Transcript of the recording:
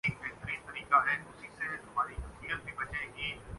انسان زندگی میں بہت سے لوگوں سے سیکھتا ہے